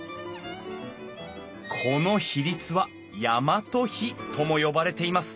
この比率は大和比とも呼ばれています。